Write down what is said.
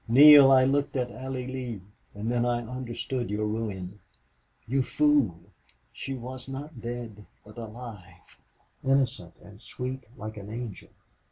Neale, I looked at Allie Lee, and then I understood your ruin. You fool! She was not dead, but alive. Innocent and sweet like an angel!